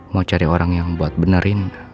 mau cari orang yang buat benerin